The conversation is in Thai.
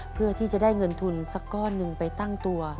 เพื่อที่จะได้เงินทุนสักก้อนหนึ่งไปตั้งตัว